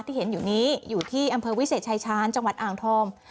ที่เห็นอยู่นี้อยู่ที่อำเภอวิเศษชายชาญจังหวัดอ่างทอง